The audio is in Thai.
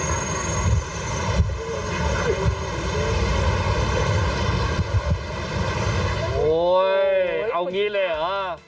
โอ้โหเอางี้เลยเหรอ